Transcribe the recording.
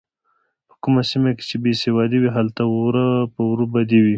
په کومه سیمه کې چې بې سوادي وي هلته وره په وره بدي وي.